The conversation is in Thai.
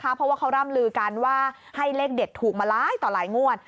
เพราะว่าเขาร่ำลือกันว่าให้เลขเด็ดถูกมาหลายต่อหลายงวด